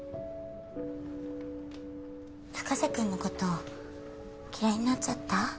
深瀬君のこと嫌いになっちゃった？